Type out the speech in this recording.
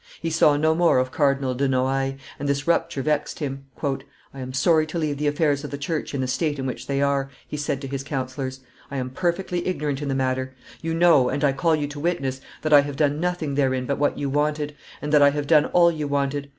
He saw no more of Cardinal de Noailles, and this rupture vexed him. "I am sorry to leave the affairs of the church in the state in which they are," he said to his councillors. "I am perfectly ignorant in the matter; you know, and I call you to witness, that I have done nothing therein but what you wanted, and that I have done all you wanted.